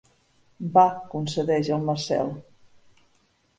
Va —concedeix el Marcel.